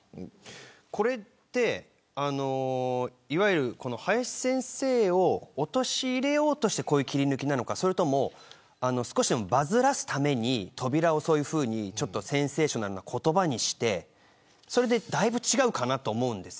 これって、林先生を陥れようとした切り抜きなのか少しでもバズらせるために扉をそういうふうにセンセーショナルな言葉にしてそれでだいぶ違うかなと思うんです。